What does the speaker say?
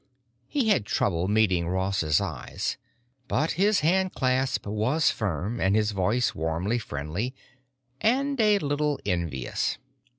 He had trouble meeting Ross's eyes, but his handclasp was firm and his voice warmly friendly—and a little envious.